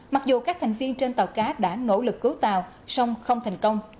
mặc dù các thành viên trên tàu cá đã nỗ lực cứu tàu song không thành công